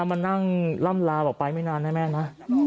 มานั่งล่ำลาบอกไปไม่นานนะแม่นะ